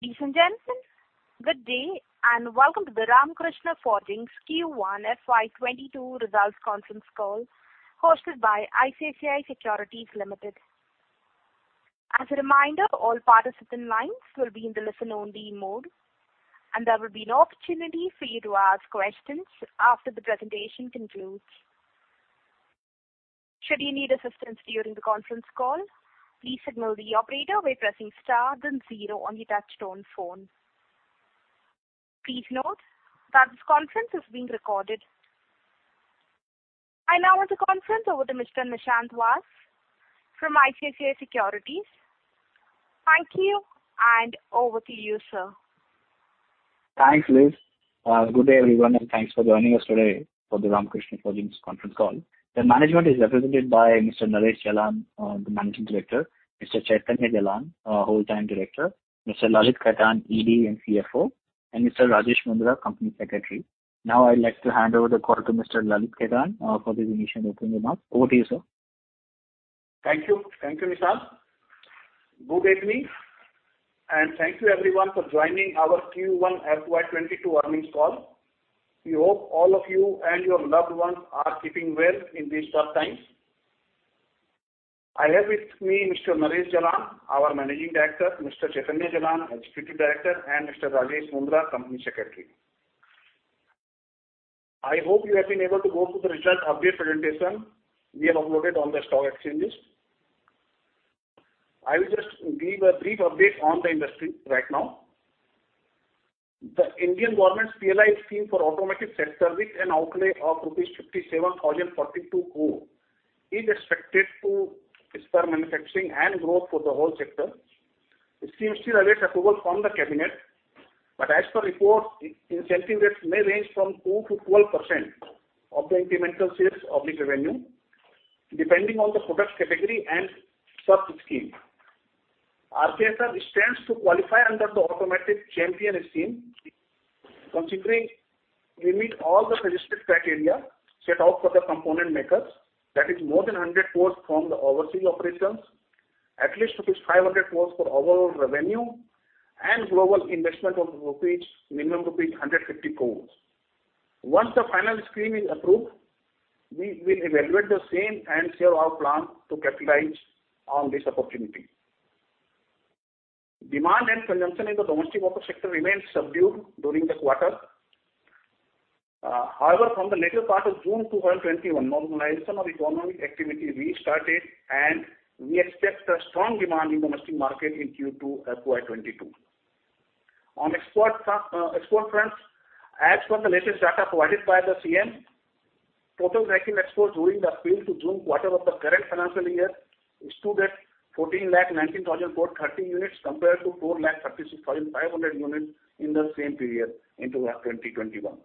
Ladies and gentlemen, good day, and welcome to the Ramkrishna Forgings Q1 FY 2022 results conference call hosted by ICICI Securities Limited. As a reminder, all participant lines will be in the listen-only mode, and there will be an opportunity for you to ask questions after the presentation concludes. Should you need assistance during the conference call, please signal the operator by pressing star then zero on your touchtone phone. Please note that this conference is being recorded. I now hand the conference over to Mr. Nishant Vass from ICICI Securities. Thank you, and over to you, sir. Thanks, Liz. Good day, everyone, and thanks for joining us today for the Ramkrishna Forgings conference call. The management is represented by Mr. Naresh Jalan, the Managing Director, Mr. Chaitanya Jalan, Whole-time Director, Mr. Lalit Khetan, ED and CFO, and Mr. Rajesh Mundhra, Company Secretary. Now I'd like to hand over the call to Mr. Lalit Khetan for the initial opening remarks. Over to you, sir. Thank you, Nishant. Good evening, and thank you everyone for joining our Q1 FY22 earnings call. We hope all of you and your loved ones are keeping well in these tough times. I have with me Mr. Naresh Jalan, our Managing Director, Mr. Chaitanya Jalan, Executive Director, and Mr. Rajesh Mundhra, Company Secretary. I hope you have been able to go through the results update presentation we have uploaded on the stock exchanges. I will just give a brief update on the industry right now. The Indian government PLI scheme for automotive sector with an outlay of rupees 57,042 crores is expected to spur manufacturing and growth for the whole sector. The scheme still awaits approval from the cabinet. As per reports, the incentive rates may range from 2%-12% of the incremental sales or revenue, depending on the product category and sub scheme. RKFL stands to qualify under the Champion OEM Incentive Scheme considering we meet all the prescribed criteria set out for the component makers. That is more than 100 crores from the overseas operations, at least 500 crores for overall revenue, and global investment of minimum rupees 150 crores. Once the final scheme is approved, we will evaluate the same and share our plan to capitalize on this opportunity. Demand and consumption in the domestic auto sector remained subdued during the quarter. From the latter part of June 2021, normalization of economic activity restarted, and we expect a strong demand in domestic market in Q2 FY 2022. On export fronts, as per the latest data provided by the SIAM, total vehicle exports during the April to June quarter of the current financial year stood at 1,419,413 units compared to 436,500 units in the same period in 2021.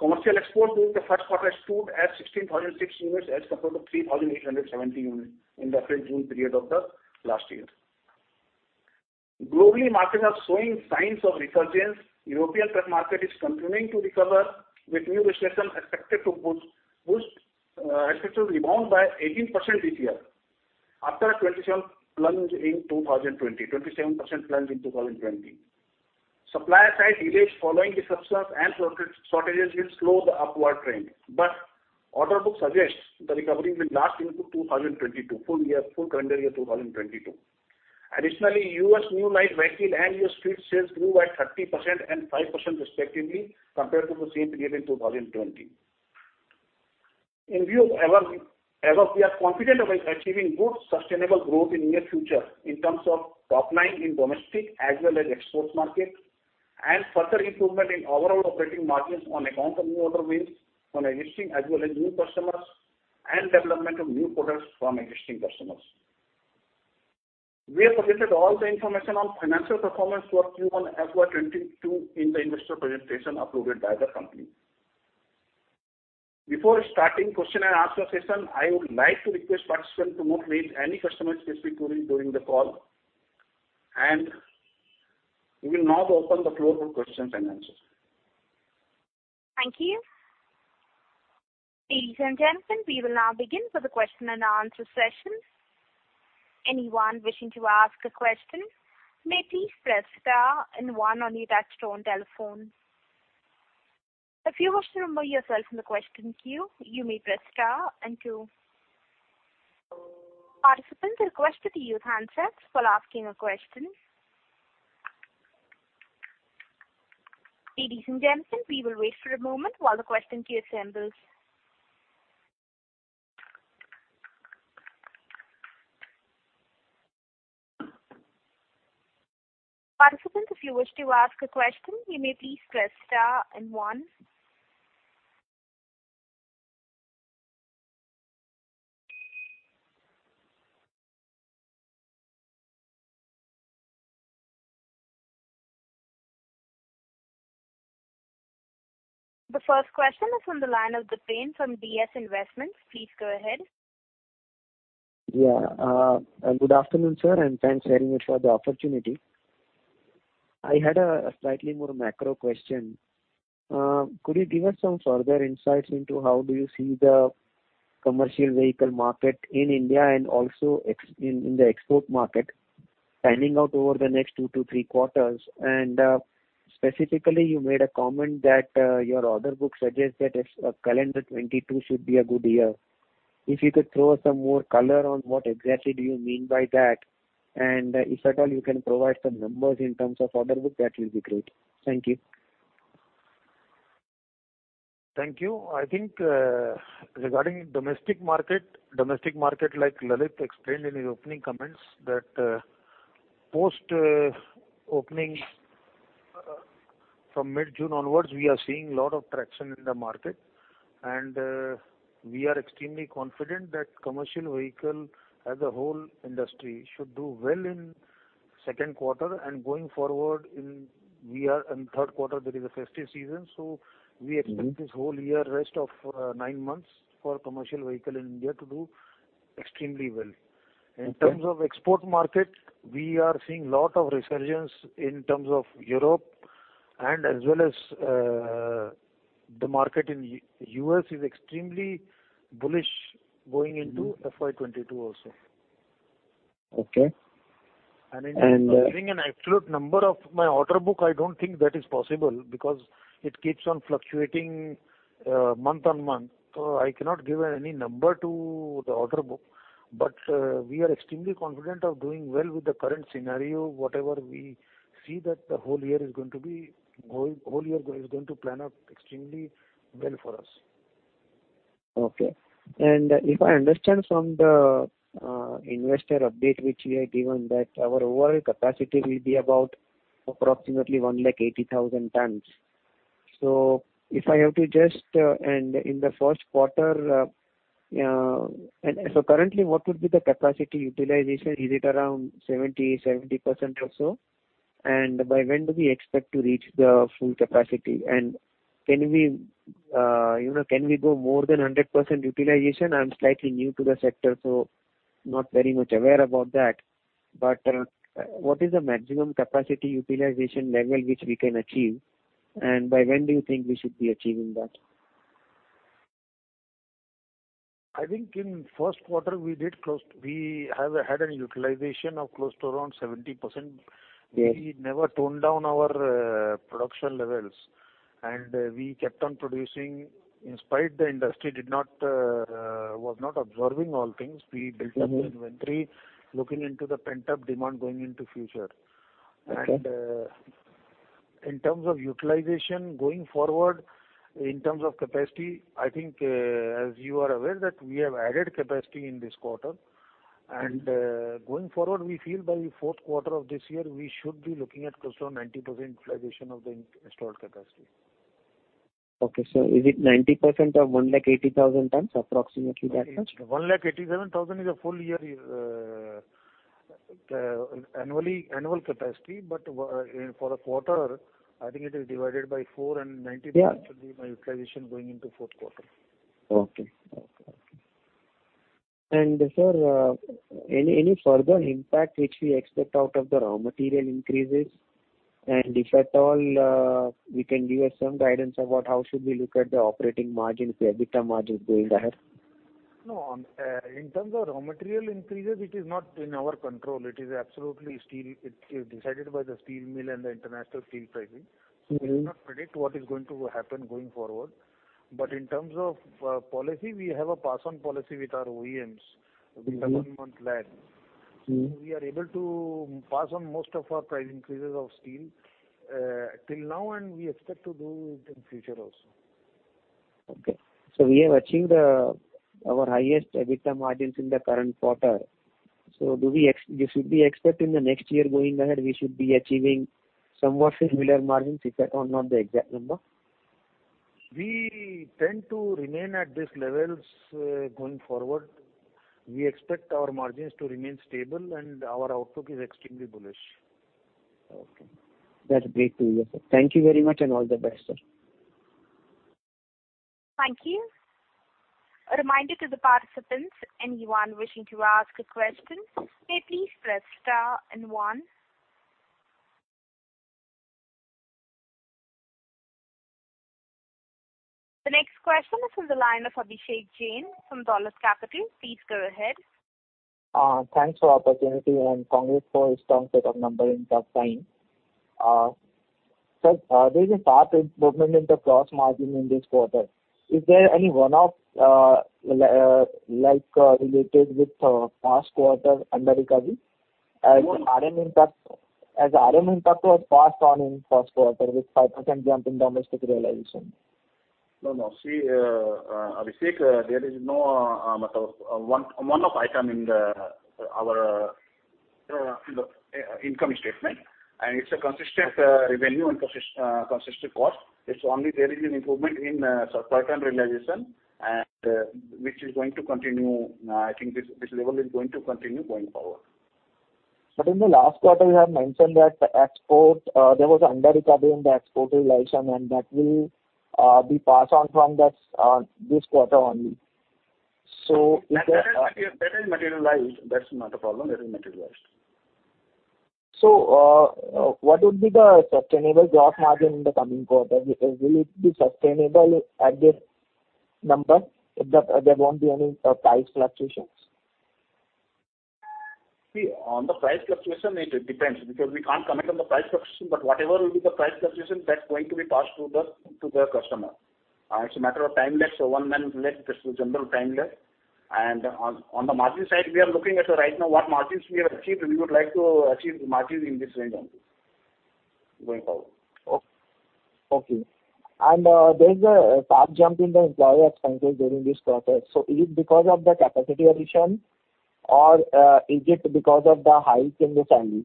Commercial exports during the first quarter stood at 16,006 units as compared to 3,870 units in the April-June period of the last year. Globally, markets are showing signs of resurgence. European truck market is continuing to recover with new registrations expected to boost registrations rebound by 18% this year after a 27% plunge in 2020. Supplier-side delays following disruptions and shortages will slow the upward trend. Order book suggests the recovery will last into 2022, full calendar year 2022. Additionally, U.S. new light vehicle and used fleet sales grew at 30% and 5% respectively compared to the same period in 2020. In view of above, we are confident about achieving good sustainable growth in near future in terms of top line in domestic as well as exports market and further improvement in overall operating margins on account of new order wins from existing as well as new customers and development of new products from existing customers. We have submitted all the information on financial performance for Q1 FY 2022 in the investor presentation uploaded by the company. Before starting question-and-answer session, I would like to request participants to not raise any customer-specific query during the call, and we will now open the floor for questions and answers. Thank you. Ladies and gentlemen, we will now begin with the question and answer session. Anyone wishing to ask a question may please press star and one on your touchtone telephone. If you wish to remove yourself from the question queue, you may press star and two. Participants are requested to use handsets while asking a question. Ladies and gentlemen, we will wait for a moment while the question queue assembles. Participants, if you wish to ask a question, you may please press star and one. The first question is from the line of Dipen from DS Investments. Please go ahead. Yeah. Good afternoon, sir, and thanks very much for the opportunity. I had a slightly more macro question. Could you give us some further insights into how do you see the commercial vehicle market in India and also in the export market, panning out over the next two to three quarters. Specifically, you made a comment that your order book suggests that calendar 2022 should be a good year. If you could throw some more color on what exactly do you mean by that, and if at all you can provide some numbers in terms of order book, that will be great. Thank you. Thank you. I think regarding domestic market, like Lalit explained in his opening comments, that post opening from mid-June onwards, we are seeing lot of traction in the market. We are extremely confident that commercial vehicle as a whole industry should do well in second quarter. Going forward, in third quarter, there is a festive season, so we expect this whole year, rest of nine months, for commercial vehicle in India to do extremely well. Okay. In terms of export market, we are seeing lot of resurgence in terms of Europe and as well as the market in U.S. is extremely bullish going into FY 2022 also. Okay. Giving an absolute number of my order book, I don't think that is possible because it keeps on fluctuating month on month. I cannot give any number to the order book. We are extremely confident of doing well with the current scenario. Whatever we see that the whole year is going to plan out extremely well for us. Okay. If I understand from the investor update which you had given, that our overall capacity will be about approximately 180,000 tons. Currently, what would be the capacity utilization? Is it around 70% or so? By when do we expect to reach the full capacity? Can we go more than 100% utilization? I'm slightly new to the sector, so not very much aware about that. What is the maximum capacity utilization level which we can achieve, and by when do you think we should be achieving that? I think in first quarter, we had an utilization of close to around 70%. Yes. We never toned down our production levels, we kept on producing in spite the industry was not absorbing all things. We built up the inventory, looking into the pent-up demand going into future. Okay. In terms of utilization, going forward, in terms of capacity, I think as you are aware that we have added capacity in this quarter. Going forward, we feel by fourth quarter of this year, we should be looking at close to 90% utilization of the installed capacity. Okay. Is it 90% of 180,000 tons, approximately that much? 187,000 is annual capacity, but for a quarter, I think it is divided by four, and 90%. Yeah should be my utilization going into fourth quarter. Okay. Sir, any further impact which we expect out of the raw material increases? If at all, we can give some guidance about how should we look at the operating margin, EBITDA margin going ahead? In terms of raw material increases, it is not in our control. It is absolutely decided by the steel mill and the international steel pricing. We cannot predict what is going to happen going forward. In terms of policy, we have a pass-on policy with our OEMs with a one-month lag. We are able to pass on most of our price increases of steel till now, and we expect to do it in future also. Okay. We have achieved our highest EBITDA margins in the current quarter. We should be expecting the next year going ahead, we should be achieving somewhat similar margins, if at all, not the exact number? We tend to remain at these levels going forward. We expect our margins to remain stable and our outlook is extremely bullish. Okay. That's great to hear, sir. Thank you very much and all the best, sir. Thank you. A reminder to the participants, anyone wishing to ask a question, may please press star and one. The next question is on the line of Abhishek Jain from Dolat Capital. Please go ahead. Thanks for opportunity and congrats for a strong set of number in tough time. Sir, there is a sharp improvement in the gross margin in this quarter. Is there any one-off related with past quarter under-recovery as iron impact was passed on in first quarter with 5% jump in domestic realization? No, no. See, Abhishek, there is no one-off item in our income statement, and it's a consistent revenue and consistent cost. It's only there is an improvement in certain realization, which is going to continue. I think this level is going to continue going forward. In the last quarter, you have mentioned that there was under-recovery in the export realization and that will be passed on from this quarter only. If there. That has materialized. That's not a problem. It has materialized. What would be the sustainable gross margin in the coming quarter? Will it be sustainable at this number, there won't be any price fluctuations? On the price fluctuation, it depends, because we can't comment on the price fluctuation, but whatever will be the price fluctuation, that's going to be passed to the customer. It's a matter of time lapse, one-month lapse, just a general time lapse. On the margin side, we are looking at right now what margins we have achieved, we would like to achieve margins in this range only going forward. Okay. There is a sharp jump in the employee expenses during this quarter. Is it because of the capacity addition or is it because of the hike in the salaries?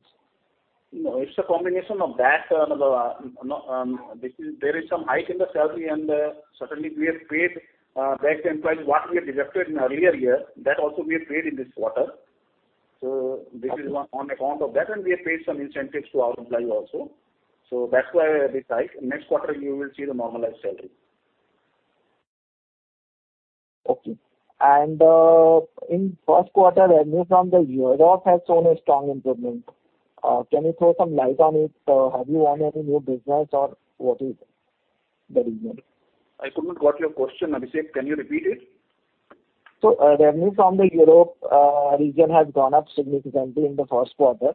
It's a combination of that. There is some hike in the salary, certainly we have paid back the employees what we have deducted in earlier year, that also we have paid in this quarter. This is on account of that, we have paid some incentives to our employees also. That's why a bit high. Next quarter, you will see the normalized salary. Okay. In first quarter, revenue from the Europe has shown a strong improvement. Can you throw some light on it? Have you won any new business, or what is the reason? I couldn't get your question, Abhishek. Can you repeat it? Revenue from the Europe region has gone up significantly in the first quarter.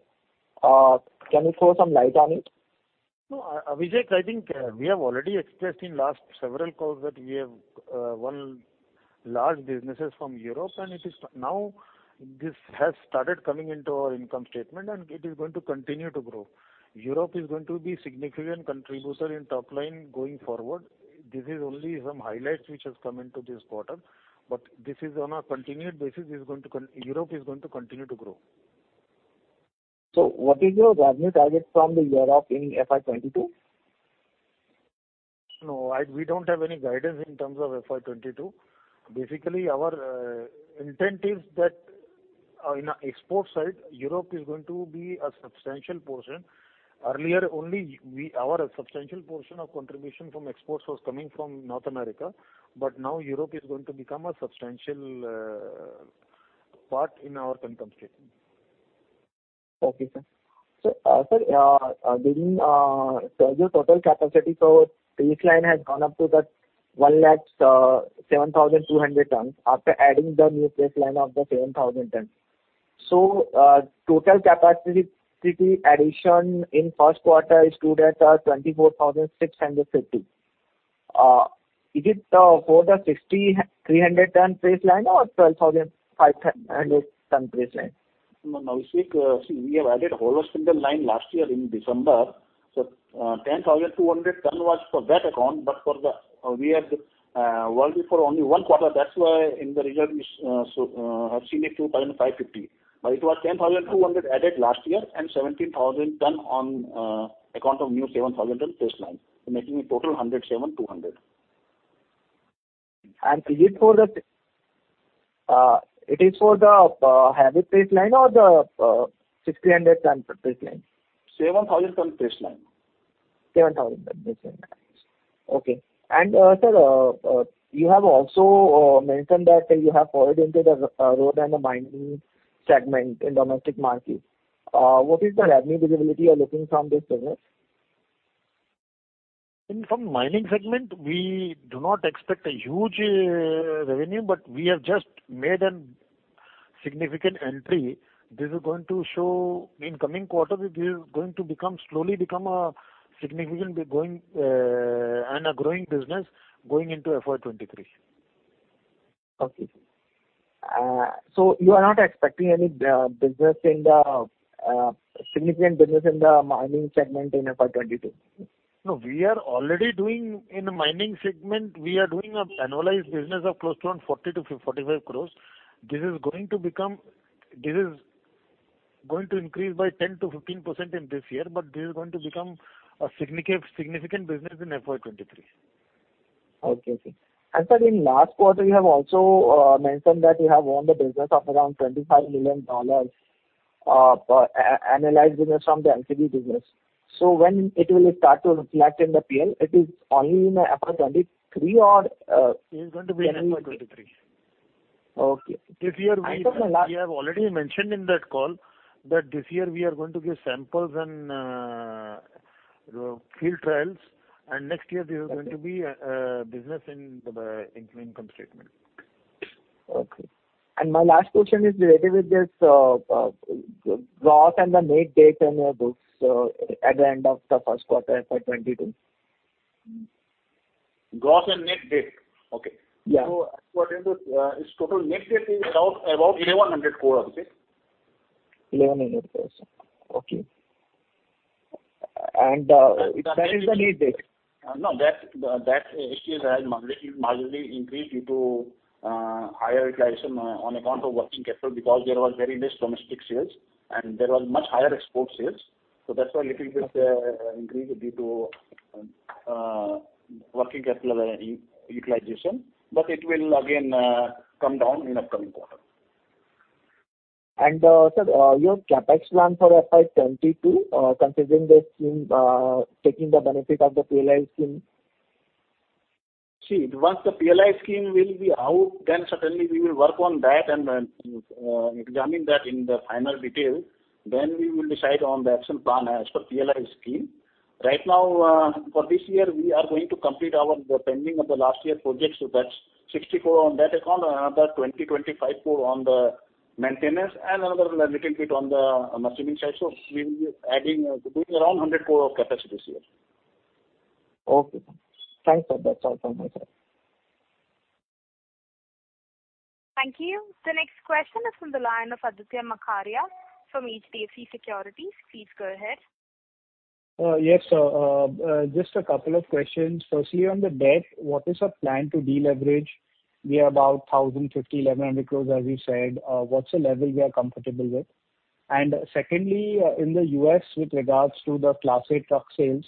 Can you throw some light on it? No, Abhishek, I think we have already expressed in last several calls that we have won large businesses from Europe, and now this has started coming into our income statement and it is going to continue to grow. Europe is going to be significant contributor in top line going forward. This is only some highlights which has come into this quarter, but this is on a continued basis, Europe is going to continue to grow. What is your revenue target from Europe in FY 2022? No, we don't have any guidance in terms of FY22. Basically, our intent is that in export side, Europe is going to be a substantial portion. Earlier, only our substantial portion of contribution from exports was coming from North America. Now Europe is going to become a substantial part in our income statement. Okay, sir. Sir, during your total capacity for press line has gone up to that 107,200 tons after adding the new press line of the 7,000 tons. Total capacity addition in first quarter is stood at 24,650. Is it for the 6,300 ton press line or 12,500 ton press line? No, Abhishek. We have added hollow spindle line last year in December. 10,200 ton was for that account, but we have worked it for only one quarter. That's why in the result we have seen it 2,550, but it was 10,200 added last year and 17,000 ton on account of new 7,000 ton press line, making a total 107,200. Is it for the heavy press line or the 600 ton press line? 7,000 ton press line. 7,000 ton. Okay. Sir, you have also mentioned that you have forayed into the road and the mining segment in domestic markets. What is the revenue visibility you're looking from this segment? From mining segment, we do not expect a huge revenue, but we have just made a significant entry. This is going to show in coming quarter, this is going to slowly become a significant and a growing business going into FY 2023. Okay. You are not expecting any significant business in the mining segment in FY 2022? No, we are already doing in mining segment, we are doing an annualized business of close to around 40 crores-45 crores. This is going to increase by 10%-15% in this year, but this is going to become a significant business in FY 2023. Okay. Sir, in last quarter, you have also mentioned that you have won the business of around $25 million annualized business from the LCV business. When it will start to reflect in the P&L, it is only in FY 2023? It is going to be in FY 2023. Okay. We have already mentioned in that call that this year we are going to give samples and field trials, and next year this is going to be a business in income statement. Okay. My last question is related with this gross and the net debt in your books at the end of the first quarter FY 2022. Gross and net debt. Okay. Yeah. FY 2022, its total net debt is around INR 1,100 crores. INR 1,100 crores. Okay. That is the net debt. That actually has marginally increased due to higher utilization on account of working capital because there was very less domestic sales and there was much higher export sales. That's why little bit increase due to working capital utilization. It will again come down in upcoming quarter. Sir, your CapEx plan for FY 2022, considering this taking the benefit of the PLI scheme? Once the PLI scheme will be out, then certainly we will work on that and examine that in the final detail. We will decide on the action plan as per PLI scheme. Right now, for this year, we are going to complete our pending of the last year projects. That's 60 crores on that account, another 20 crores-25 crores on the maintenance, and another little bit on the machining side. We will be doing around 100 crores of capacity this year. Okay. Thanks, sir. That's all from my side. Thank you. The next question is from the line of Aditya Makharia from HDFC Securities. Please go ahead. Yes. Just a couple of questions. Firstly, on the debt, what is your plan to deleverage? We are about 1,050, 1,100 crores, as you said. What's the level you are comfortable with? Secondly, in the U.S. with regards to the Class 8 truck sales,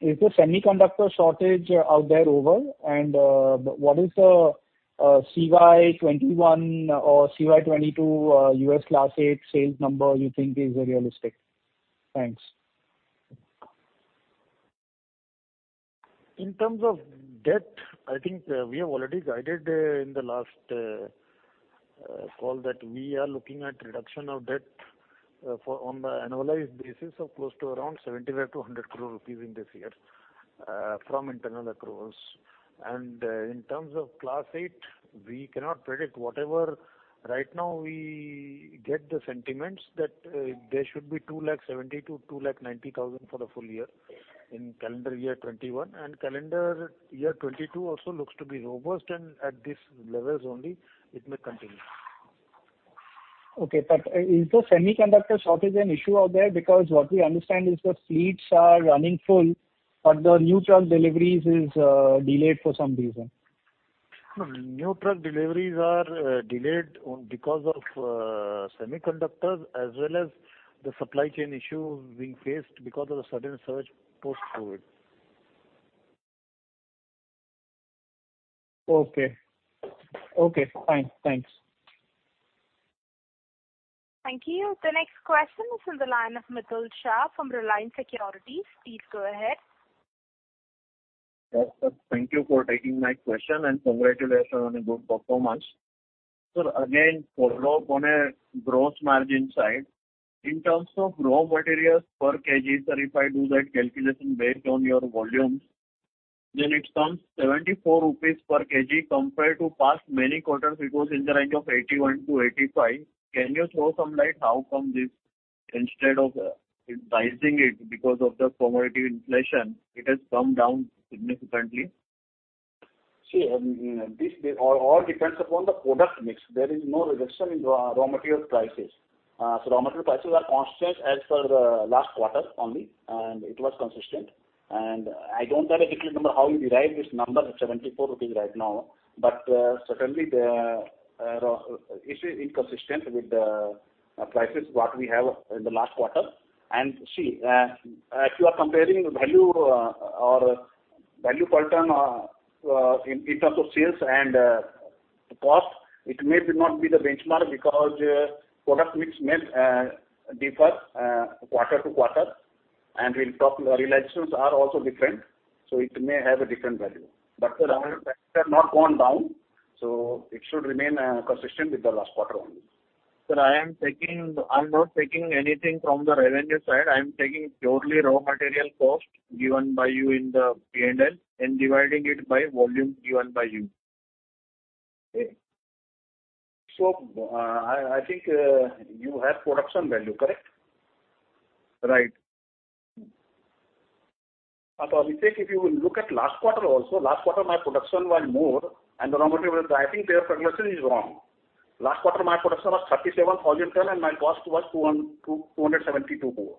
is the semiconductor shortage out there over? What is the CY21 or CY22 U.S. Class 8 sales number you think is realistic? Thanks. In terms of debt, I think we have already guided in the last call that we are looking at reduction of debt on the annualized basis of close to around 75 crores-100 crores rupees in this year from internal accruals. In terms of Class 8, we cannot predict. Whatever right now we get the sentiments that there should be 270,000-290,000 for the full year in calendar year 2021. Calendar year 2022 also looks to be robust, and at these levels only it may continue. Okay, is the semiconductor shortage an issue out there? What we understand is the fleets are running full, the new truck deliveries is delayed for some reason. New truck deliveries are delayed because of semiconductors as well as the supply chain issue being faced because of the sudden surge post-COVID. Okay. Fine. Thanks. Thank you. The next question is on the line of Mitul Shah from Reliance Securities. Please go ahead. Yes. Thank you for taking my question, and congratulations on a good performance. Sir, again, follow-up on a gross margin side. In terms of raw materials per kg, sir, if I do that calculation based on your volumes, then it comes 74 rupees per kg compared to past many quarters it was in the range of 81-85. Can you throw some light how come this, instead of increasing it because of the commodity inflation, it has come down significantly? See, all depends upon the product mix. There is no reduction in raw material prices. Raw material prices are constant as per the last quarter only, and it was consistent. I don't have an exact number how you derive this number of 74 rupees right now, but certainly it is inconsistent with the prices what we have in the last quarter. See, if you are comparing value or value per ton in terms of sales and cost, it may not be the benchmark because product mix may differ quarter-to-quarter, and real issues are also different. It may have a different value. Raw material prices have not gone down, so it should remain consistent with the last quarter only. Sir, I'm not taking anything from the revenue side. I am taking purely raw material cost given by you in the P&L and dividing it by volume given by you. Okay. I think you have production value, correct? Right. Abhishek, if you look at last quarter also, last quarter my production was more and the raw material pricing there, probably, sir, is wrong. Last quarter, my production was 37,000 tons and my cost was 272 crores.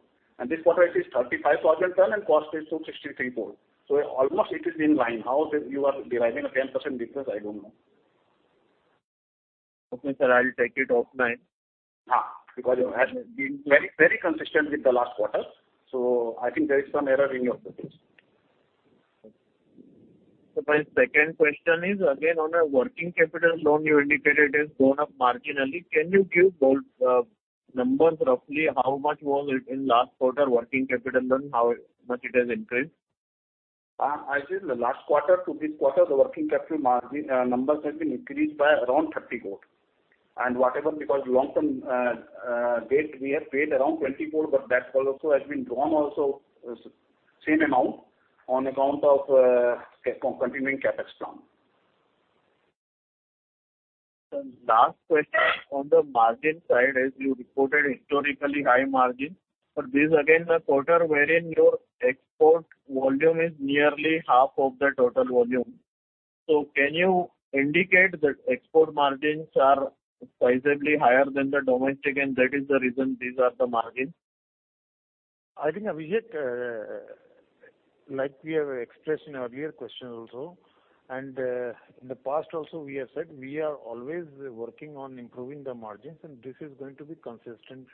This quarter it is 35,000 tons and cost is 263 crores. Almost it is in line. How you are deriving a 10% difference, I don't know. Okay, sir. I'll take it off line. Yes, because it has been very consistent with the last quarter, so I think there is some error in your numbers. Sir, my second question is again on a working capital loan. You indicated it has gone up marginally. Can you give those numbers roughly how much was it in last quarter working capital loan, how much it has increased? I think the last quarter to this quarter, the working capital margin numbers has been increased by around 30 crores. Whatever because long-term debt we have paid around 20 crores, that also has been drawn same amount on account of continuing CapEx loan. Sir, last question. On the margin side, as you reported historically high margin. Sir, this again a quarter wherein your export volume is nearly half of the total volume. Can you indicate that export margins are sizably higher than the domestic and that is the reason these are the margins? I think, Abhishek, like we have expressed in earlier questions also, and in the past also, we have said we are always working on improving the margins and this is going to be consistent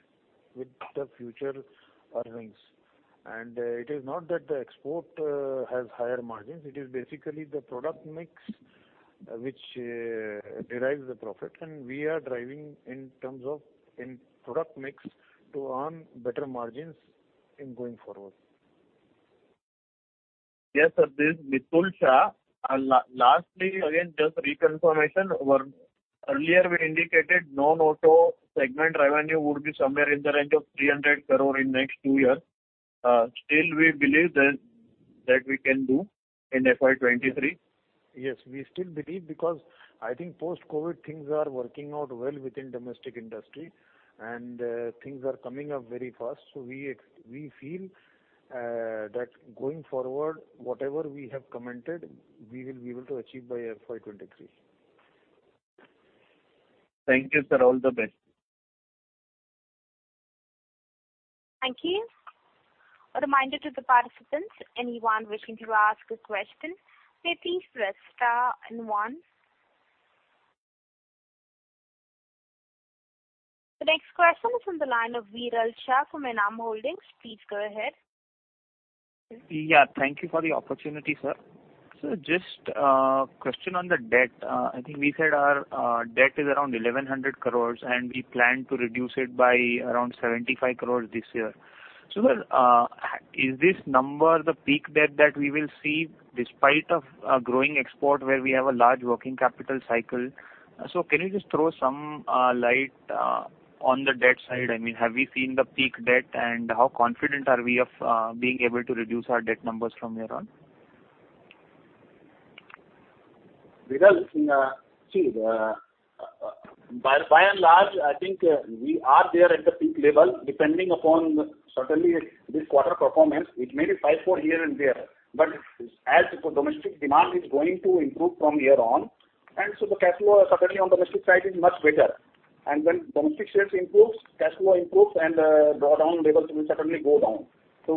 with the future earnings. It is not that the export has higher margins, it is basically the product mix which derives the profit, and we are driving in terms of product mix to earn better margins going forward. Yes, sir, this is Mitul Shah. Lastly, again, just reconfirmation. Earlier we indicated non-auto segment revenue would be somewhere in the range of 300 crores in next two years. Still we believe that we can do in FY 2023? Yes, we still believe because I think post-COVID things are working out well within domestic industry, and things are coming up very fast. We feel that going forward, whatever we have commented, we will be able to achieve by FY 2023. Thank you, sir. All the best. Thank you. A reminder to the participants, anyone wishing to ask a question, please press star and one. The next question is on the line of Viral Shah from Enam Holdings. Please go ahead. Yeah, thank you for the opportunity, sir. Sir, just a question on the debt. I think we said our debt is around 1,100 crores, and we plan to reduce it by around 75 crores this year. Well, is this number the peak debt that we will see despite of growing export where we have a large working capital cycle? Can you just throw some light on the debt side? Have we seen the peak debt, and how confident are we of being able to reduce our debt numbers from here on? Viral, by and large, I think we are there at the peak level, depending upon certainly this quarter performance, it may be five, four here and there. As the domestic demand is going to improve from here on, the cash flow certainly on domestic side is much better. When domestic sales improves, cash flow improves, and draw down levels will certainly go down.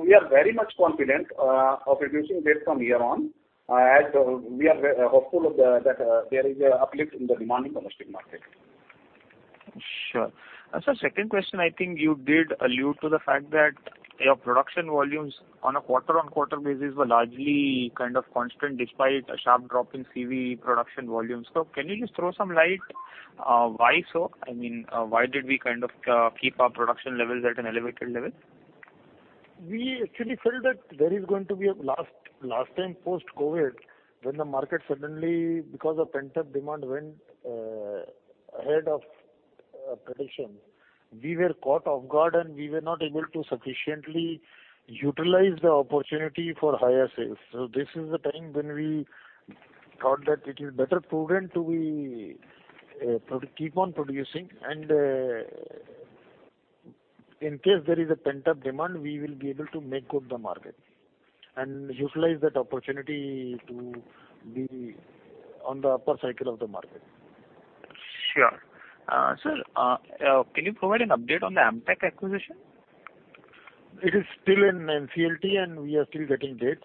We are very much confident of reducing debt from here on, as we are hopeful that there is an uplift in the demand in domestic market. Sure. Sir, second question, I think you did allude to the fact that your production volumes on a quarter-on-quarter basis were largely kind of constant despite a sharp drop in CV production volumes. Can you just throw some light why so? Why did we keep our production levels at an elevated level? We actually felt that there is going to be a last time post-COVID when the market suddenly, because of pent-up demand, went ahead of prediction. We were caught off guard, and we were not able to sufficiently utilize the opportunity for higher sales. This is the time when we thought that it is better prudent to keep on producing, and in case there is a pent-up demand, we will be able to make good the market and utilize that opportunity to be on the upper cycle of the market. Sure. Sir, can you provide an update on the Amtek acquisition? It is still in NCLT, and we are still getting dates.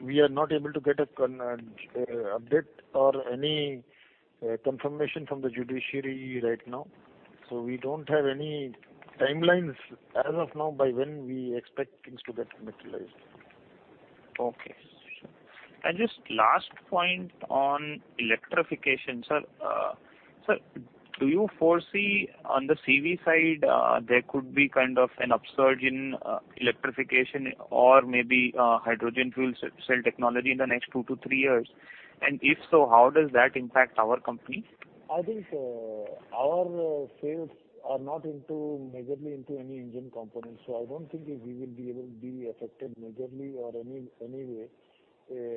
We are not able to get an update or any confirmation from the judiciary right now. We don't have any timelines as of now by when we expect things to get materialized. Okay. Just last point on electrification, sir? Sir, do you foresee on the CV side, there could be kind of an upsurge in electrification or maybe hydrogen fuel cell technology in the next two to three years? If so, how does that impact our company? I think our sales are not measurably into any engine components, so I don't think we will be able to be affected majorly or any way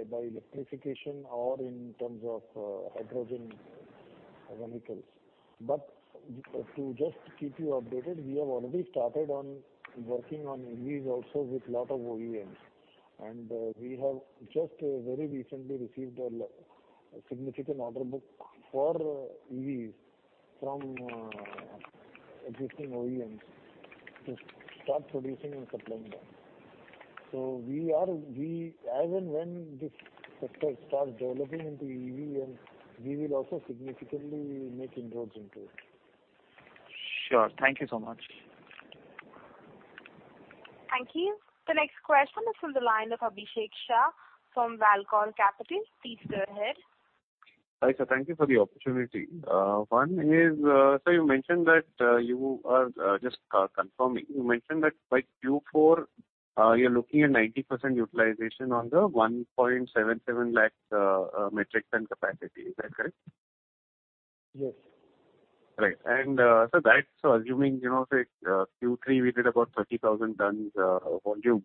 by electrification or in terms of hydrogen vehicles. To just keep you updated, we have already started on working on EVs also with lot of OEMs. We have just very recently received a significant order book for EVs from existing OEMs to start producing and supplying them. As and when this sector starts developing into EV, we will also significantly make inroads into it. Sure. Thank you so much. Thank you. The next question is from the line of Abhishek Shah from Valcore Capital. Please go ahead. Hi, sir. Thank you for the opportunity. One is, sir, you mentioned that you are just confirming, you mentioned that by Q4, you're looking at 90% utilization on the 1.87 lakh metric ton capacity. Is that correct? Yes. Right. Sir, that's assuming, say Q3 we did about 30,000 tons volume.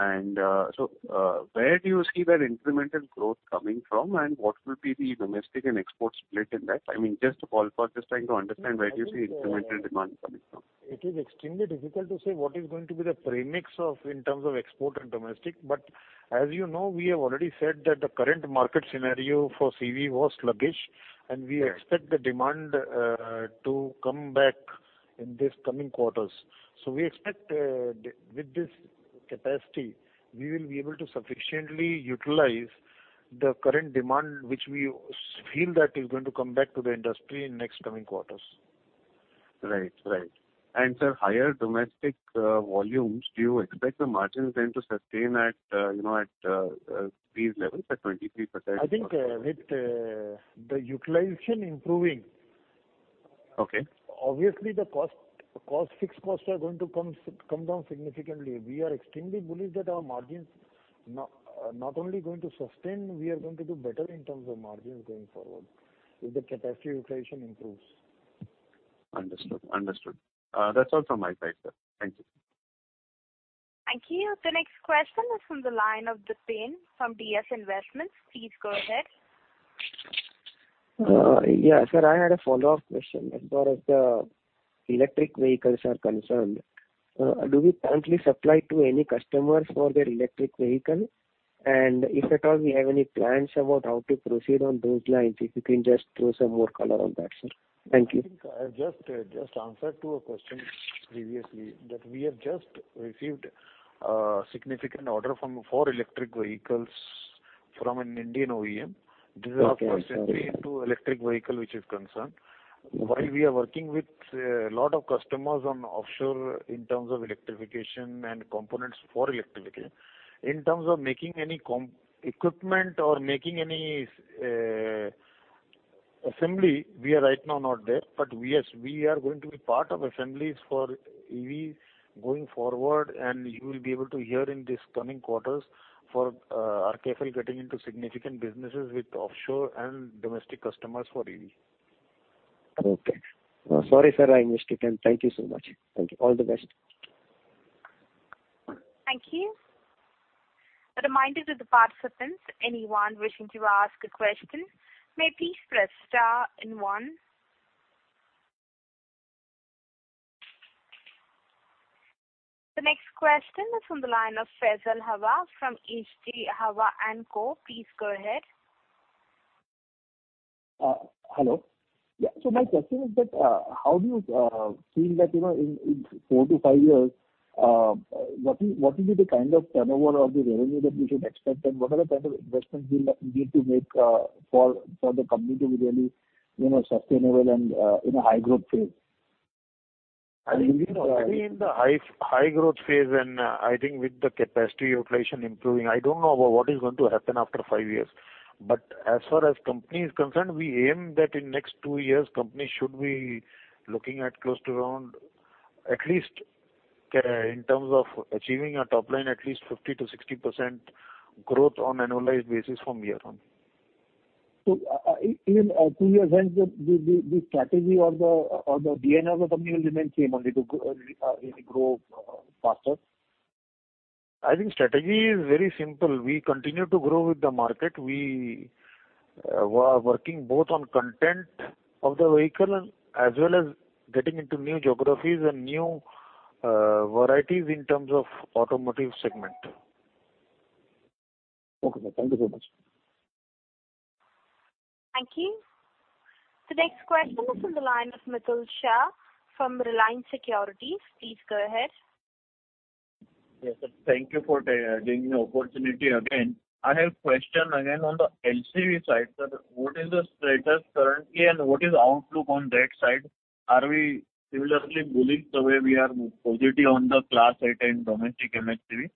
Where do you see that incremental growth coming from, and what will be the domestic and export split in that? Just to follow up, just trying to understand where do you see incremental demand coming from? It is extremely difficult to say what is going to be the premix in terms of export and domestic. As you know, we have already said that the current market scenario for CV was sluggish, and we expect the demand to come back in these coming quarters. We expect with this capacity, we will be able to sufficiently utilize the current demand, which we feel that is going to come back to the industry in next coming quarters. Right. Sir, higher domestic volumes, do you expect the margins then to sustain at these levels, at 23%? I think with the utilization improving. Okay Obviously the fixed costs are going to come down significantly. We are extremely bullish that our margins are not only going to sustain, we are going to do better in terms of margins going forward, if the capacity utilization improves. Understood. That's all from my side, sir. Thank you. Thank you. The next question is from the line of Dipen from DS Investments. Please go ahead. Yeah. Sir, I had a follow-up question. As far as the electric vehicles are concerned, do we currently supply to any customers for their electric vehicle? If at all we have any plans about how to proceed on those lines, if you can just throw some more color on that, sir. Thank you. I think I just answered to a question previously, that we have just received a significant order for electric vehicles from an Indian OEM. Okay. This is our first entry into electric vehicle which is concerned. While we are working with a lot of customers on offshore in terms of electrification and components for electric vehicle. In terms of making any equipment or making any assembly, we are right now not there. Yes, we are going to be part of assemblies for EV going forward, and you will be able to hear in these coming quarters for RKFL getting into significant businesses with offshore and domestic customers for EV. Okay. Sorry, sir, I missed it and thank you so much. Thank you. All the best. Thank you. A reminder to the participants, anyone wishing to ask a question, may please press star and one. The next question is from the line of Faisal Hawa from H.G. Hawa & Co. Please go ahead. Hello. My question is that, how do you feel that, in four to five years, what will be the kind of turnover of the revenue that we should expect? What are the kind of investments we'll need to make for the company to be really sustainable and in a high-growth phase? I think in the high growth phase and I think with the capacity utilization improving, I don't know about what is going to happen after five years. As far as company is concerned, we aim that in next two years, company should be looking at close to around, at least in terms of achieving a top line, at least 50%-60% growth on annualized basis from here on. In two years hence, the strategy or the DNA of the company will remain same only, to really grow faster? I think strategy is very simple. We continue to grow with the market. We are working both on content of the vehicle as well as getting into new geographies and new varieties in terms of automotive segment. Okay, sir. Thank you so much. Thank you. The next question is from the line of Mitul Shah from Reliance Securities. Please go ahead. Yes, sir. Thank you for giving me opportunity again. I have question again on the LCV side, sir. What is the status currently and what is the outlook on that side? Are we similarly bullish the way we are positive on the Class 8 and domestic MHCV?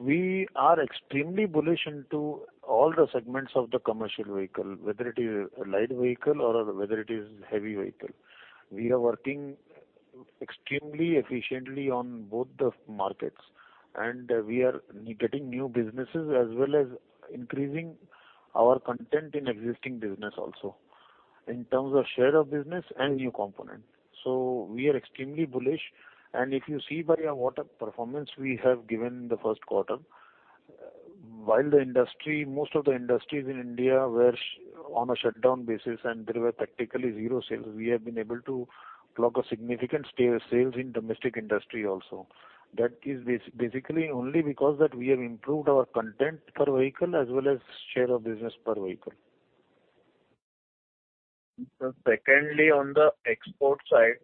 We are extremely bullish into all the segments of the commercial vehicle, whether it is a light vehicle or whether it is heavy vehicle. We are working extremely efficiently on both the markets, we are getting new businesses as well as increasing our content in existing business also, in terms of share of business and new component. We are extremely bullish. If you see by our what performance we have given in the first quarter, while most of the industries in India were on a shutdown basis and there were practically zero sales, we have been able to clock a significant sales in domestic industry also. That is basically only because that we have improved our content per vehicle as well as share of business per vehicle. Sir, secondly, on the export side,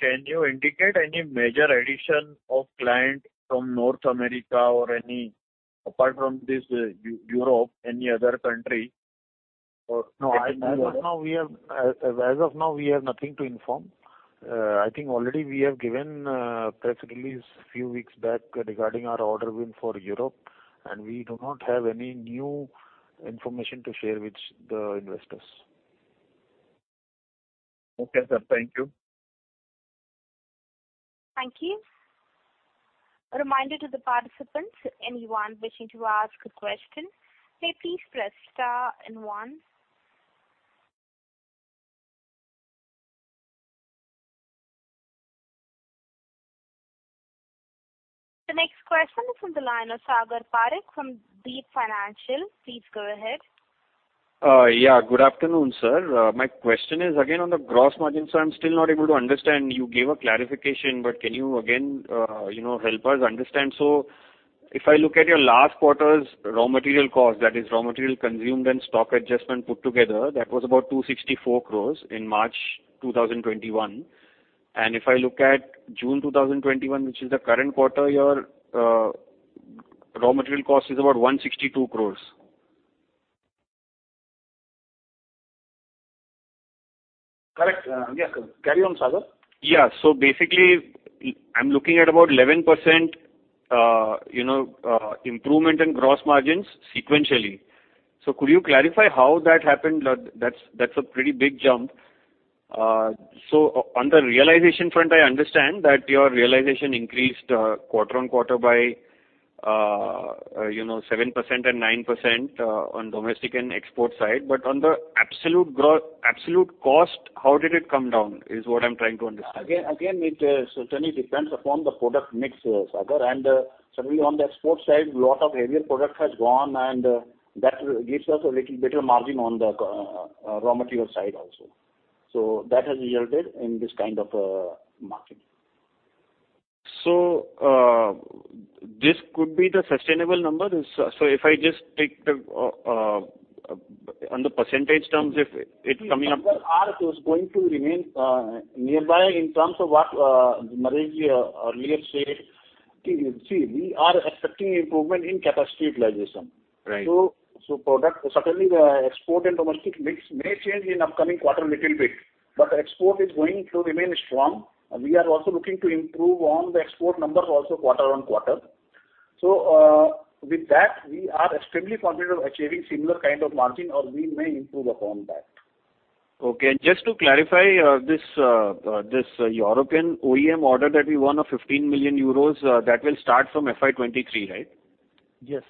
can you indicate any major addition of client from North America or any, apart from this Europe, any other country? No. As of now, we have nothing to inform. I think already we have given a press release few weeks back regarding our order win for Europe, and we do not have any new information to share with the investors. Okay, sir. Thank you. Thank you. A reminder to the participants, anyone wishing to ask a question, may please press star and one. The next question is from the line of Sagar Parekh from Deep Financial. Please go ahead. Yeah. Good afternoon, sir. My question is again on the gross margins. I'm still not able to understand. You gave a clarification, but can you again help us understand? If I look at your last quarter's raw material cost, that is raw material consumed and stock adjustment put together, that was about 264 crores in March 2021. If I look at June 2021, which is the current quarter, your raw material cost is about 162 crores. Correct. Yes, carry on, Sagar. Yeah. Basically, I'm looking at about 11% improvement in gross margins sequentially. Could you clarify how that happened? That's a pretty big jump. On the realization front, I understand that your realization increased quarter-on-quarter by 7% and 9% on domestic and export side. On the absolute cost, how did it come down, is what I'm trying to understand. It certainly depends upon the product mix, Sagar. Certainly on the export side, lot of heavier product has gone, and that gives us a little better margin on the raw material side also. That has yielded in this kind of a margin. This could be the sustainable number? If I just take on the percentage terms. Sagar, it is going to remain nearby in terms of what Naresh earlier said. See, we are expecting improvement in capacity utilization. Right. Certainly, export and domestic mix may change in upcoming quarter a little bit. Export is going to remain strong. We are also looking to improve on the export numbers also quarter on quarter. With that, we are extremely confident of achieving similar kind of margin or we may improve upon that. Okay. Just to clarify this European OEM order that we won of 15 million euros, that will start from FY 2023, right? Yes.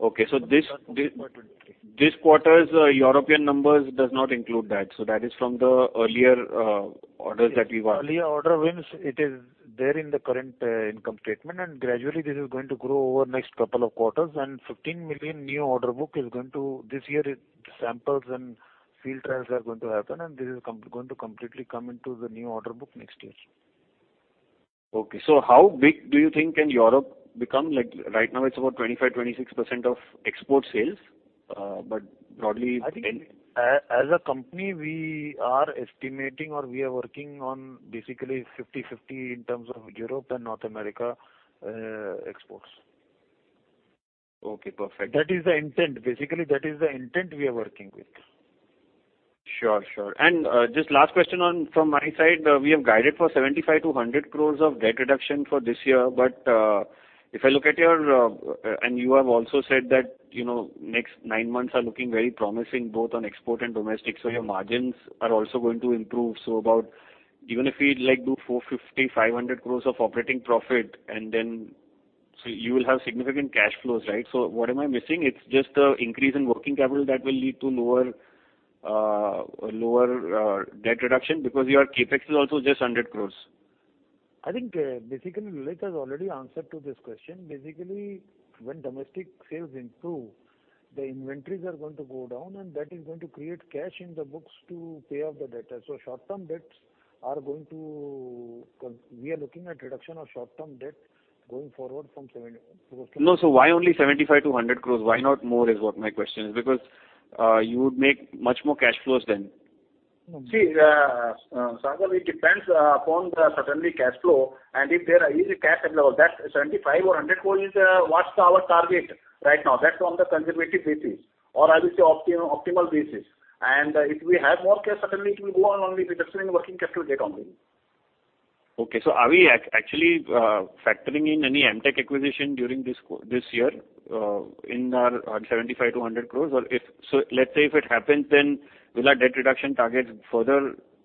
Okay. It starts from FY 2023. This quarter's European numbers do not include that. That is from the earlier orders that we got. Earlier order wins, it is there in the current income statement, and gradually, this is going to grow over next couple of quarters. 15 million new order book, this year, samples and field trials are going to happen, and this is going to completely come into the new order book next year. Okay. How big do you think can Europe become? Right now it's about 25%-26% of export sales. I think as a company, we are estimating or we are working on basically 50/50 in terms of Europe and North America exports. Okay, perfect. Basically, that is the intent we are working with. Sure. Just last question from my side, we have guided for 75 crores-100 crores of debt reduction for this year. You have also said that next nine months are looking very promising both on export and domestic. Your margins are also going to improve. Even if we do 450 crores-500 crores of operating profit, and then so you will have significant cash flows, right? What am I missing? It is just the increase in working capital that will lead to lower debt reduction because your CapEx is also just 100 crores. I think basically Lalit has already answered to this question. Basically, when domestic sales improve, the inventories are going to go down, and that is going to create cash in the books to pay off the debtor. We are looking at reduction of short-term debt going forward from 70- No. Why only 75 crores-100 crores? Why not more, is what my question is? You would make much more cash flows then. See, Sagar, it depends upon certainly cash flow, and if there is a cash level, that 75 crores or 100 crores is what's our target right now. That's on the conservative basis, or I will say optimal basis. If we have more cash, certainly it will go on only reducing working capital debt only. Okay. Are we actually factoring in any Amtek acquisition during this year in our 75 crores-100 crores? Let's say if it happens, then will our debt reduction target further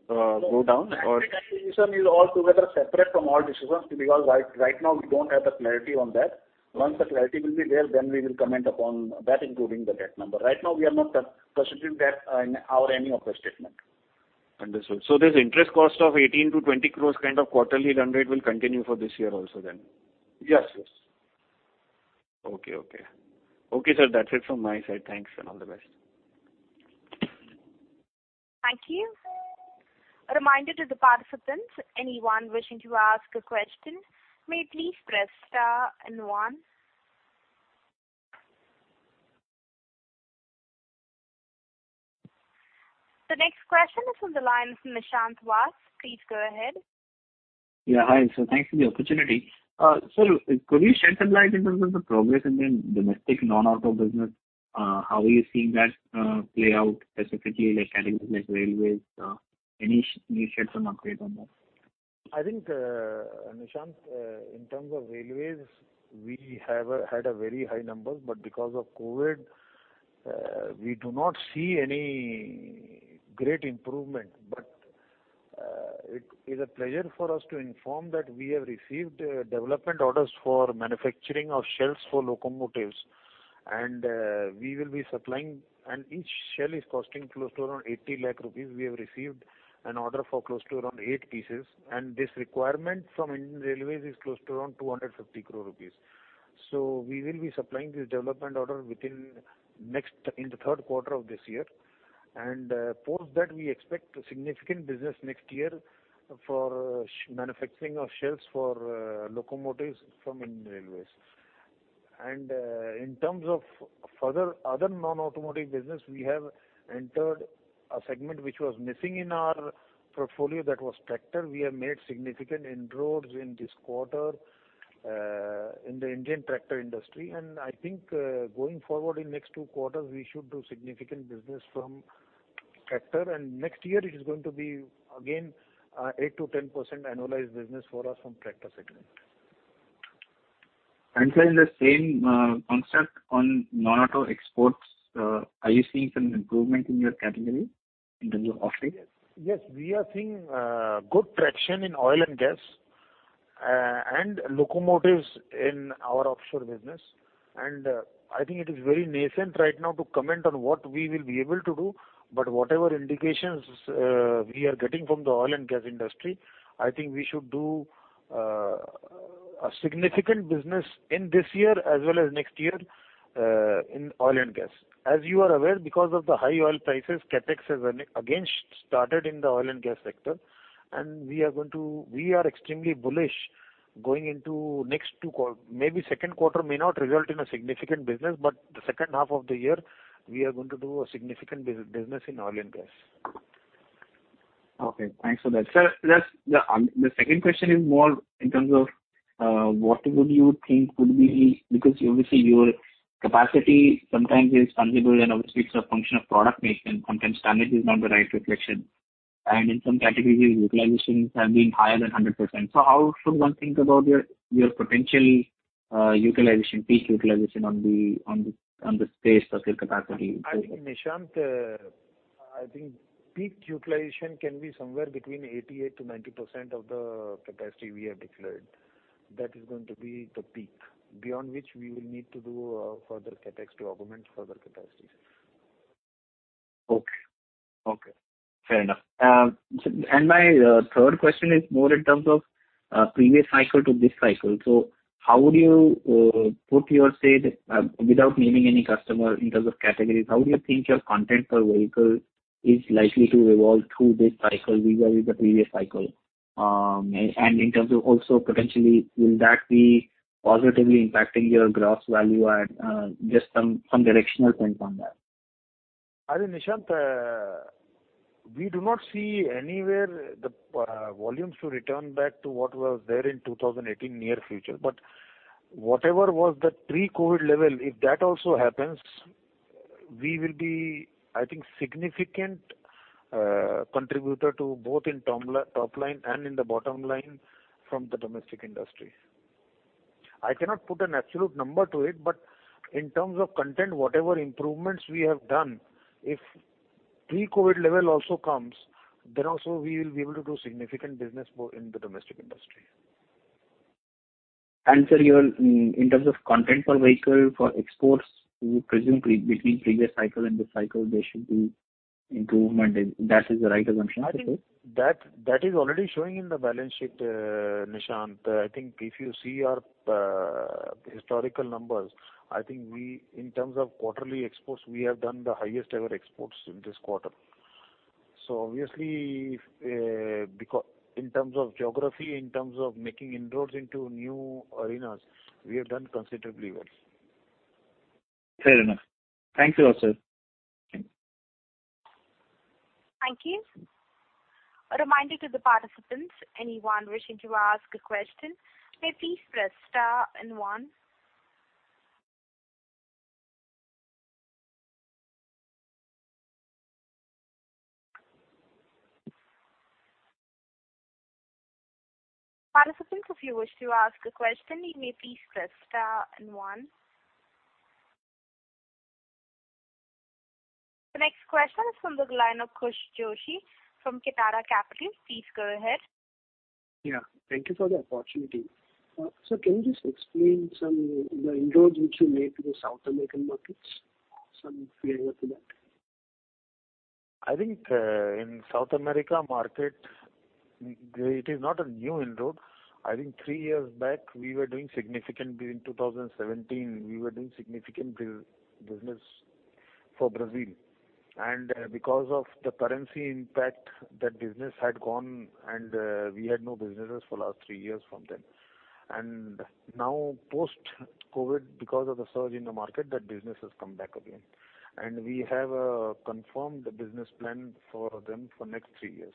go down? Amtek acquisition is altogether separate from all decisions because right now we don't have the clarity on that. Once the clarity will be there, then we will comment upon that, including the debt number. Right now, we are not considering that in our any of the statement. Understood. This interest cost of 18 crores-INR20 crores kind of quarterly run rate will continue for this year also then? Yes. Okay. Okay, sir. That's it from my side. Thanks and all the best. Thank you. A reminder to the participants, anyone wishing to ask a question may please press star and one. The next question is from the line, Nishant Vass. Please go ahead. Yeah. Hi, thanks for the opportunity. Sir, could you shed some light in terms of the progress in the domestic non-auto business? How are you seeing that play out, specifically like categories like railways? Any sheds or updates on that? I think, Nishant, in terms of railways, we have had a very high numbers, because of COVID, we do not see any great improvement. It is a pleasure for us to inform that we have received development orders for manufacturing of shells for locomotives, and we will be supplying, and each shell is costing close to around 80 lakh rupees. We have received an order for close to around eight pieces, this requirement from Indian Railways is close to around 250 crores rupees. We will be supplying this development order in the third quarter of this year. Post that, we expect significant business next year for manufacturing of shells for locomotives from Indian Railways. In terms of further other non-automotive business, we have entered a segment which was missing in our portfolio, that was tractor. We have made significant inroads in this quarter in the Indian tractor industry, and I think, going forward in next two quarters, we should do significant business from tractor, and next year it is going to be again 8%-10% annualized business for us from tractor segment. Sir, in the same concept on non-auto exports, are you seeing some improvement in your category in terms of offering? Yes. We are seeing good traction in oil and gas, and locomotives in our offshore business. I think it is very nascent right now to comment on what we will be able to do, but whatever indications we are getting from the oil and gas industry, I think we should do a significant business in this year as well as next year in oil and gas. As you are aware, because of the high oil prices, CapEx has again started in the oil and gas sector, we are extremely bullish going into next two quarters. Maybe second quarter may not result in a significant business, but the second half of the year, we are going to do a significant business in oil and gas. Okay. Thanks for that. Sir, the second question is more in terms of what would you think would be, because obviously your capacity sometimes is tangible and obviously it's a function of production. Sometimes tonnage is not the right reflection, and in some categories, utilizations have been higher than 100%. How should one think about your potential peak utilization on the space versus capacity? Nishant, I think peak utilization can be somewhere between 88%-90% of the capacity we have declared. That is going to be the peak, beyond which we will need to do further CapEx to augment further capacity. Okay. Fair enough. My third question is more in terms of previous cycle to this cycle. How would you put your say, without naming any customer in terms of categories, how do you think your content per vehicle is likely to evolve through this cycle vis-à-vis the previous cycle? In terms of also potentially, will that be positively impacting your gross value add? Just some directional points on that. Nishant, we do not see anywhere the volumes to return back to what was there in 2018 near future. Whatever was the pre-COVID level, if that also happens, we will be, I think, significant contributor to both in top line and in the bottom line from the domestic industry. I cannot put an absolute number to it, but in terms of content, whatever improvements we have done, if pre-COVID level also comes, then also we will be able to do significant business more in the domestic industry. Sir, in terms of content per vehicle for exports, we presume between previous cycle and this cycle, there should be improvement. That is the right assumption, I suppose? That is already showing in the balance sheet, Nishant. I think if you see our historical numbers, I think in terms of quarterly exports, we have done the highest ever exports in this quarter. Obviously, in terms of geography, in terms of making inroads into new arenas, we have done considerably well. Fair enough. Thank you all, sir. Thank you. The next question is from the line of Khush Joshi from Kitara Capital. Please go ahead. Yeah, thank you for the opportunity. Sir, can you just explain some of the inroads which you made to the South American markets? Some flavor for that. I think, in South America market, it is not a new inroad. I think three years back, we were doing significant business. In 2017, we were doing significant business for Brazil. Because of the currency impact, that business had gone, and we had no businesses for last three years from them. Now post-COVID, because of the surge in the market, that business has come back again. We have a confirmed business plan for them for next three years.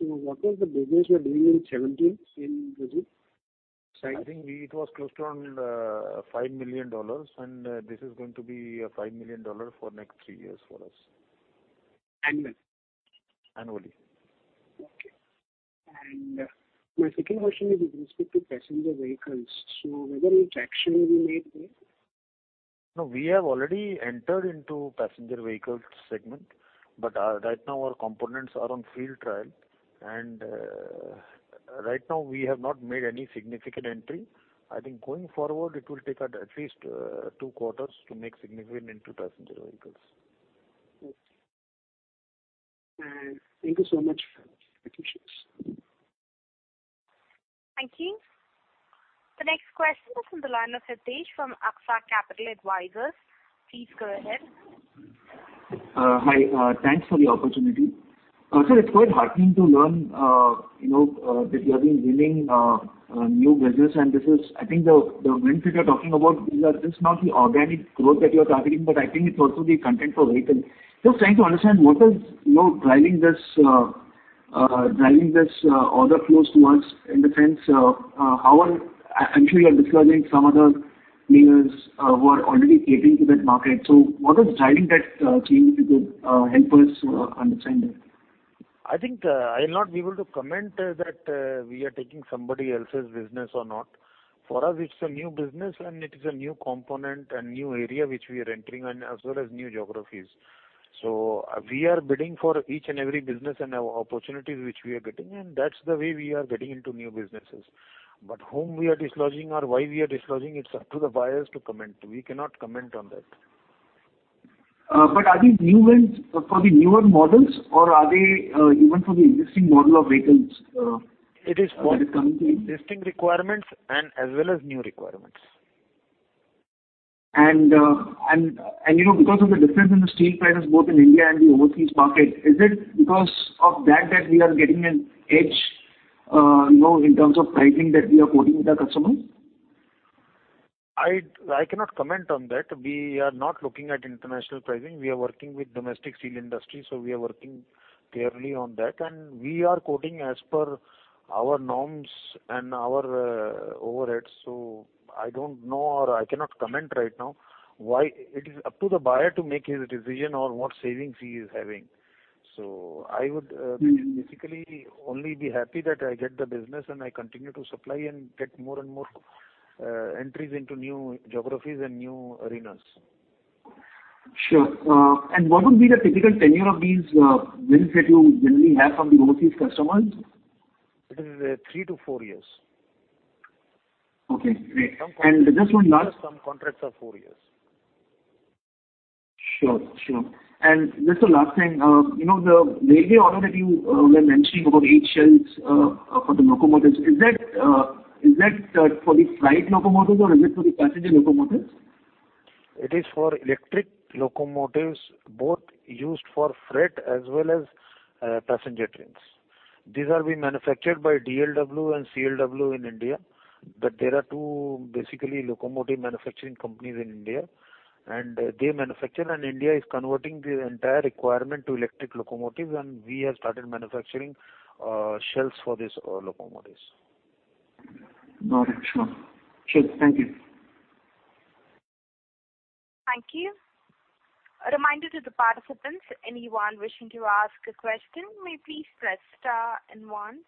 What was the business you were doing in 2017 in Brazil? I think it was close to around $5 million, and this is going to be $5 million for next three years for us. Annually? Annually. Okay. My second question is with respect to passenger vehicles, what traction you made there? No, we have already entered into passenger vehicles segment, but right now our components are on field trial, and right now we have not made any significant entry. I think going forward, it will take at least two quarters to make significant into passenger vehicles. Okay. Thank you so much for the wishes. Thank you. The next question is from the line of Hitesh from Aksa Capital Advisors. Please go ahead. Hi. Thanks for the opportunity, Sir, it's quite heartening to learn that you have been winning new business, and I think the wins that you're talking about, these are just not the organic growth that you're targeting, but I think it's also the content per vehicle. Just trying to understand what is driving these order flows towards, in the sense, how are actually you dislodging some of the leaders who are already catering to that market. What is driving that change? If you could help us understand that. I think I'll not be able to comment that we are taking somebody else's business or not. For us, it's a new business and it is a new component and new area which we are entering, and as well as new geographies. We are bidding for each and every business and opportunity which we are getting, and that's the way we are getting into new businesses. Whom we are dislodging or why we are dislodging, it's up to the buyers to comment. We cannot comment on that. Are these new wins for the newer models or are they even for the existing model of vehicles that is coming in? It is both existing requirements and as well as new requirements. Because of the difference in the steel prices, both in India and the overseas market, is it because of that that we are getting an edge in terms of pricing that we are quoting with our customers? I cannot comment on that. We are not looking at international pricing. We are working with domestic steel industry. We are working clearly on that. We are quoting as per our norms and our overheads. I don't know or I cannot comment right now why. It is up to the buyer to make his decision on what savings he is having. I would basically only be happy that I get the business and I continue to supply and get more and more entries into new geographies and new arenas. Sure. What would be the typical tenure of these wins that you generally have from the overseas customers? It is three to four years. Okay, great. Just one last- Some contracts are four years. Sure. Just the last thing, the railway order that you were mentioning about eight shells for the locomotives, is that for the freight locomotives or is it for the passenger locomotives? It is for electric locomotives, both used for freight as well as passenger trains. These are being manufactured by DLW and CLW in India. There are two basically locomotive manufacturing companies in India, and they manufacture and India is converting the entire requirement to electric locomotives, and we have started manufacturing shells for these locomotives. Got it. Sure. Thank you. Thank you. A reminder to the participants, anyone wishing to ask a question may please press star and one.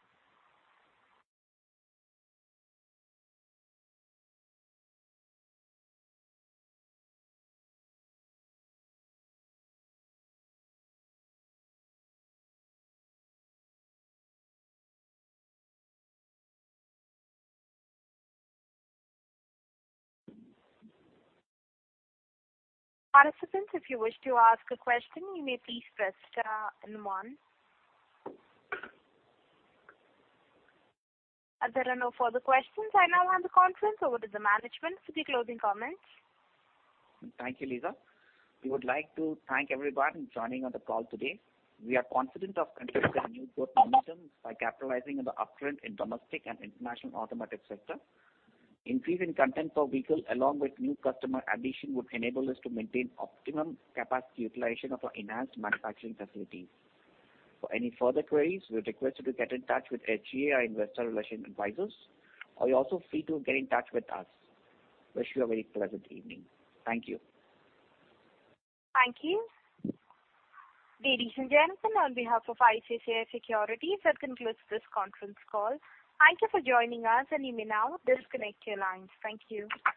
Participants, if you wish to ask a question, you may please press star and one. As there are no further questions, I now hand the conference over to the management for the closing comments. Thank you, Lisa. We would like to thank everyone joining on the call today. We are confident of continuing the new growth momentum by capitalizing on the uptrend in domestic and international automotive sector. Increase in content per vehicle along with new customer addition would enable us to maintain optimum capacity utilization of our enhanced manufacturing facilities. For any further queries, we request you to get in touch with SGA Investor Relation Advisors or you're also free to get in touch with us. Wish you a very pleasant evening. Thank you. Thank you. Ladies and gentlemen, on behalf of ICICI Securities, that concludes this conference call. Thank you for joining us and you may now disconnect your lines. Thank you.